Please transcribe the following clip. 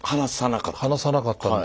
話さなかった？